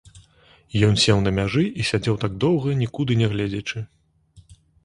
Ён сеў на мяжы і сядзеў так доўга, нікуды не гледзячы.